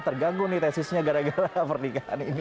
terganggu nih tesisnya gara gara pernikahan ini